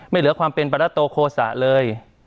เหลือความเป็นปรัตโตโฆษะเลย